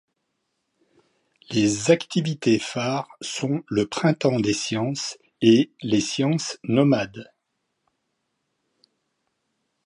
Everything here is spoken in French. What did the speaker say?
Les activités phares sont le Printemps des Sciences et les Sciences Nomades.